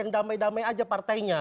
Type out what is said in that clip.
yang damai damai aja partainya